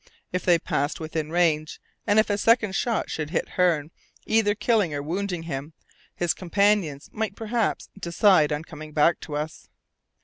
If they passed within range, and if a second shot should hit Hearne, either killing or wounding him, his companions might perhaps decide on coming back to us.